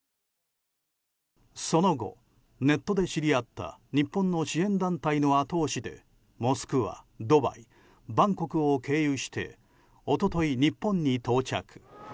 その後、ネットで知り合った日本の支援団体の後押しでモスクワ、ドバイバンコクを経由して一昨日、日本に到着。